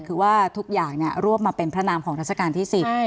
คือว่าทุกอย่างรวบมาเป็นพระนามของราชการที่๑๐